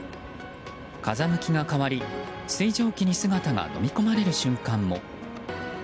風向きが変わり、水蒸気に姿がのみ込まれる瞬間も。